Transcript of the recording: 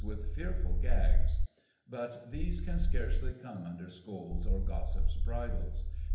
[1838 with fearful gags ; but these can scarcely come imder scold's or gossip's bridles.